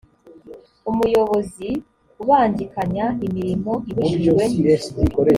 umuyobozi ubangikanya imirimo ibujijwe